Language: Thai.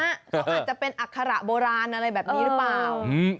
เขาอาจจะเป็นอัคระโบราณอะไรแบบนี้หรือเปล่า